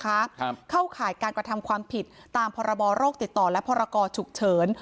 ครับเข้าข่ายการกระทำความผิดตามพรบโรคติดต่อและพรกรฉุกเฉิน